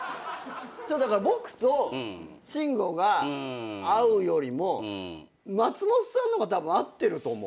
だから僕と慎吾が会うよりも松本さんの方がたぶん会ってると思う。